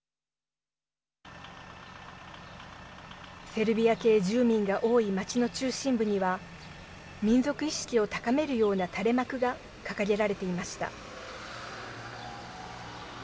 セルビア系住民が多い町の中心部には民族意識を高めるような垂れ幕が掲げられていました。